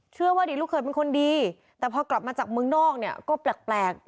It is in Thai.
อดีตลูกเคยเป็นคนดีแต่พอกลับมาจากเมืองนอกเนี่ยก็แปลก